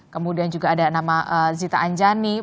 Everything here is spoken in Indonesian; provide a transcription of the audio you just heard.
kemudian juga ada nama zita anjani